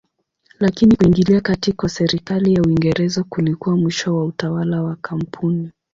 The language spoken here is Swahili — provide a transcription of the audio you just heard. Lakini kuingilia kati kwa serikali ya Uingereza kulikuwa mwisho wa utawala wa kampuni.